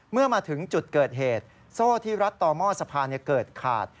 เมื่อมาถึงจุดเกิดเหตุโซ่ที่รัดต่อหม้อสะพานเกิดขาด